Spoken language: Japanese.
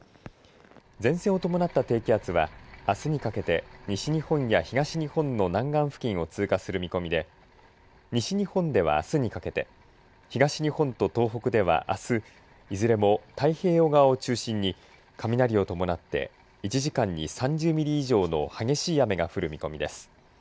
前線を伴った低気圧はあすにかけて西日本や東日本の南岸付近を通過する見込みで西日本ではあすにかけて東日本と東北ではあす、いずれも太平洋側を中心に雷を伴って１時間に３０ミリ以上の激しい雨が降る見込みです。